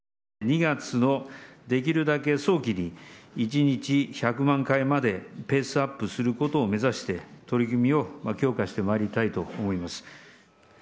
２月のできるだけ早期に、１日１００万回までペースアップすることを目指して、取り組みを強化してまいりたいと思います。